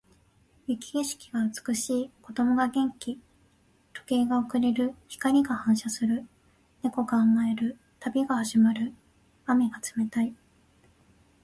雪景色が美しい。子供が元気。時計が遅れる。光が反射する。猫が甘える。旅が始まる。雨が冷たい。